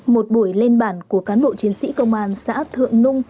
một buổi lên bản của cán bộ chiến sĩ công an xã thượng nung